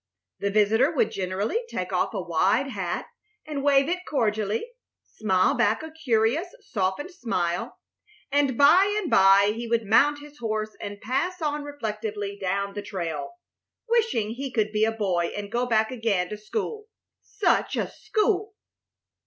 The visitor would generally take off a wide hat and wave it cordially, smile back a curious, softened smile, and by and by he would mount his horse and pass on reflectively down the trail, wishing he could be a boy and go back again to school such a school!